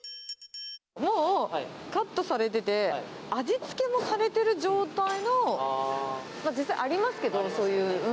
もう、カットされてて、味付けもされてる状態の、実際ありますけど、そういう。